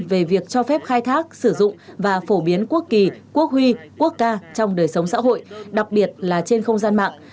về việc cho phép khai thác sử dụng và phổ biến quốc kỳ quốc huy quốc ca trong đời sống xã hội đặc biệt là trên không gian mạng